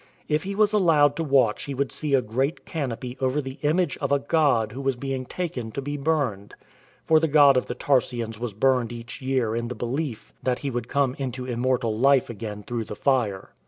If he was allowed to watch he would see a great canopy over the image of a god who was being taken to be burned — for the god of the Tarsians was burned each year in the belief that he would come into immortal life again through the fire.